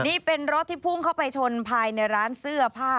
นี่เป็นรถที่พุ่งเข้าไปชนภายในร้านเสื้อผ้า